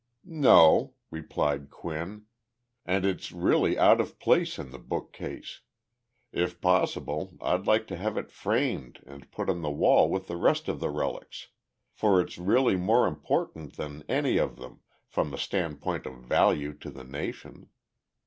"No," replied Quinn, "and it's really out of place in the bookcase. If possible, I'd like to have it framed and put on the wall with the rest of the relics for it's really more important than any of them, from the standpoint of value to the nation.